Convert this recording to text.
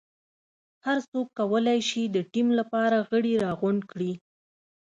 هر څوک کولای شي د ټیم لپاره غړي راغونډ کړي.